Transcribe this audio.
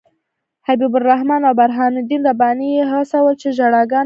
حبیب الرحمن او برهان الدین رباني یې وهڅول چې ژړاګانې سر کړي.